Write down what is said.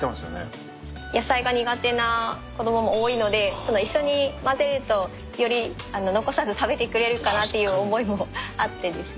野菜が苦手な子供も多いので一緒にまぜるとより残さず食べてくれるかなっていう思いもあってですね。